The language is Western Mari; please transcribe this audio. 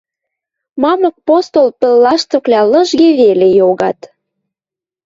Мамык постол пӹл лаштыквлӓ лыжге веле йогат.